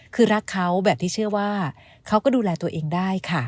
คือรักเขาแบบที่เชื่อว่าเขาก็ดูแลตัวเองได้ค่ะ